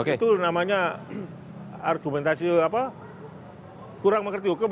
betul namanya argumentasi kurang mengerti hukum